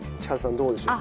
どうでしょう？